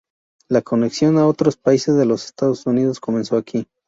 La conexión a otros países de los Estados Unidos comenzó aquí.